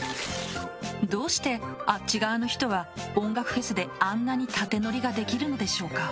どうして、あっち側の人は音楽フェスであんなに縦ノリができるのでしょうか。